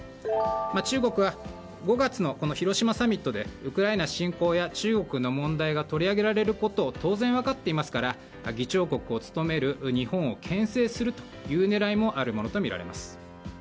中国は５月の広島サミットでウクライナ侵攻や中国の問題が取り上げられることを当然、分かっていますから議長国を務める日本を牽制するという狙いもあるものとみられます。